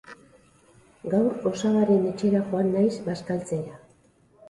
gaur osabaren etxera joan naiz bazkaltzera